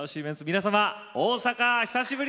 皆様大阪久しぶり！